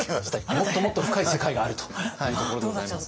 もっともっと深い世界があるというところでございますね。